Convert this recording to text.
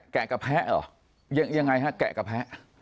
แกะกับแพ้หรอยังไงครับแกะกับแพ้